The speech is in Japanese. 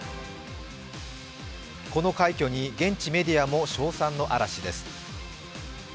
この快挙に現地メディアも称賛の嵐です。